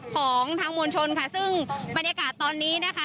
ของทางมวลชนค่ะซึ่งบรรยากาศตอนนี้นะคะ